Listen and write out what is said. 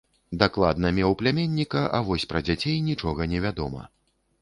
Дакладна меў пляменніка, а вось пра дзяцей нічога невядома.